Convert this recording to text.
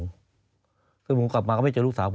ให้ลูกสาวซื้อหมูซื้อหมูกลับมาก็ไม่เจอลูกสาว